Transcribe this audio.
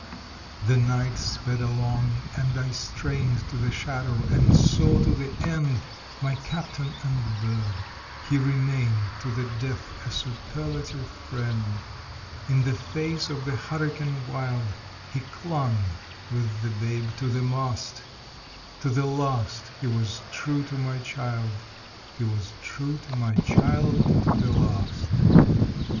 The night sped along, and I strained to the shadow and saw to the end My captain and bird he remained to the death a superlative friend: In the face of the hurricane wild, he clung with the babe to the mast; To the last he was true to my child he was true to my child to the last.